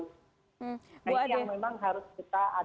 ini yang memang harus kita antisipasi ke depan